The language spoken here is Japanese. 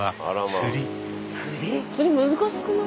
釣り難しくない？